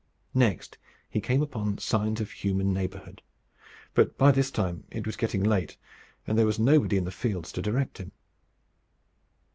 Next he came upon signs of human neighbourhood; but by this time it was getting late, and there was nobody in the fields to direct him.